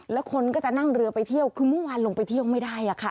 แล้วคนก็จะนั่งเรือไปเที่ยวคือเมื่อวานลงไปเที่ยวไม่ได้อะค่ะ